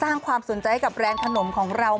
สร้างความสนใจกับแบรนด์ขนมของเรา